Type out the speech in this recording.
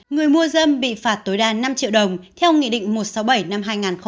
người mua dâm bị phạt tối đa năm triệu đồng theo nghị định một trăm sáu mươi bảy năm hai nghìn một mươi chín